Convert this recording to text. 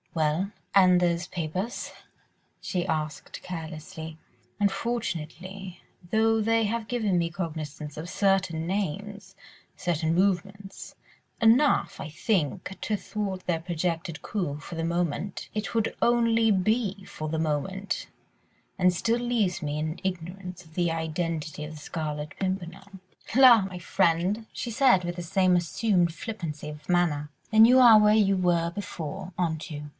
"Well? And those papers?" she asked carelessly. "Unfortunately, though they have given me cognisance of certain names ... certain movements ... enough, I think, to thwart their projected coup for the moment, it would only be for the moment, and still leaves me in ignorance of the identity of the Scarlet Pimpernel." "La! my friend," she said, with the same assumed flippancy of manner, "then you are where you were before, aren't you?